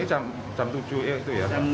pada uang yang tersebut